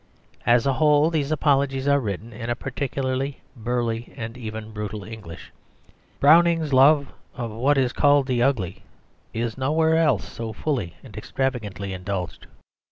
As a whole, these apologies are written in a particularly burly and even brutal English. Browning's love of what is called the ugly is nowhere else so fully and extravagantly indulged.